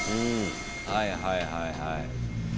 はいはいはいはい。